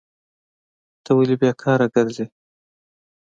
ته ولي بیکاره کرځي؟